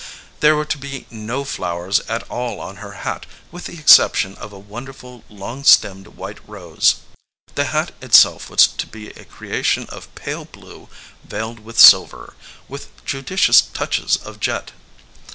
There were to be no flowers at all on her hat with the exception of a wonderful long stemmed white rose. The hat itself was to be a creation of pale blue veiled with silver, with judi cious touches of jet.